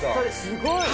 すごい。